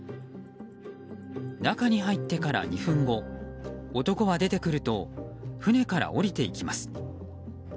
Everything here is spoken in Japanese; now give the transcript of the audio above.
中に入ってから２分後男は出てくると船から降りていきます。